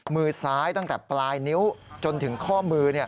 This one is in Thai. มือซ้ายตั้งแต่ปลายนิ้วจนถึงข้อมือ